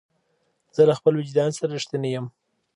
زه له خپل وجدان سره رښتینی یم.